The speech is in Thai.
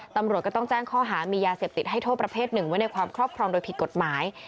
ตำรวจก็ต้องแจ้งข้อหามียาเสพติดให้โทษประเภทหนึ่งไว้ในความครอบครองโดยผิดกฎหมาย